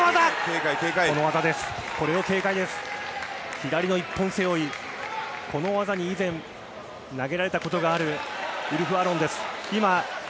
左の一本背負い、この技に以前投げられたことがあるウルフ・アロンです。